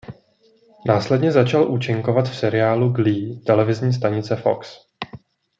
Následně začal účinkovat v seriálu "Glee" televizní stanice Fox.